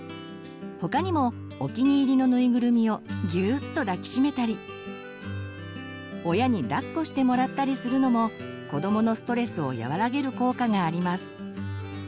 他にもお気に入りのぬいぐるみをギューッと抱き締めたり親にだっこしてもらったりするのも子どものストレスを和らげる効果があります。